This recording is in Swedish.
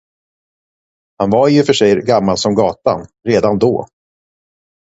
Han var i och för sig gammal som gatan, redan då.